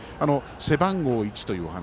背番号１というお話